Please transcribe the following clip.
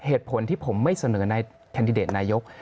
เหตุผลที่ผมไม่เสนอในแคนดิเดตนายก